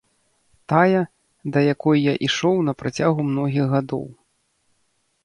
Тая, да якой я ішоў на працягу многіх гадоў.